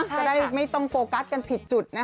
ก็ได้ไม่ต้องโฟกัสกันผิดจุด